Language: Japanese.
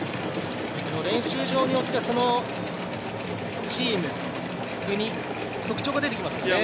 練習場によってはそのチーム、国特徴が出てきますよね。